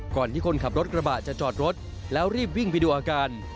ก่อนที่คนขับรถกระบะจะจอดรถแล้วรีบวิ่งไปดูอาการ